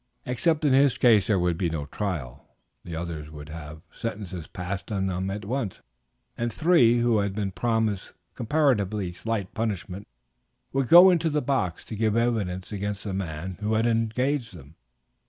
Except in his case there would be no trial. The others would have sentences passed on them at once, and three, who had been promised comparatively slight punishment, would go into the box to give evidence against the man who had engaged them.